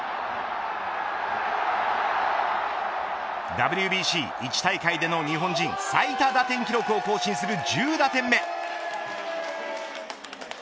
ＷＢＣ１大会での日本人最多打点記録を更新する１０打点目。